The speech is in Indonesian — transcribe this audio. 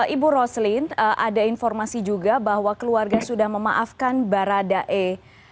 ibu roslin ada informasi juga bahwa keluarga sudah memaafkan baradae